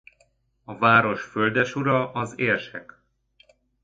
A város földesura az érsek.